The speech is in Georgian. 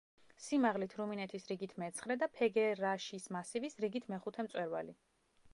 სიმაღლით რუმინეთის რიგით მეცხრე და ფეგერაშის მასივის რიგით მეხუთე მწვერვალი.